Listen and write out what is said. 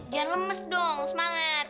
jangan lemes dong semangat